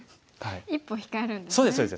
一歩控えるんですね。